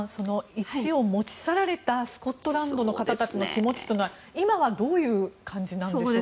石を持ち去られたスコットランドの人たちの気持ちというのは、今はどういう感じなんでしょうか。